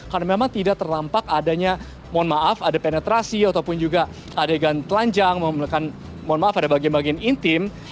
karena memang tidak terlampak adanya mohon maaf ada penetrasi ataupun juga adegan telanjang mohon maaf ada bagian bagian intim